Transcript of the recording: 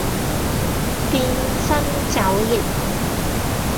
變生肘腋